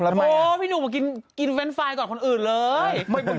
โหพี่หนุ่มกินฟานไฟล์ก่อนคนอื่นเลย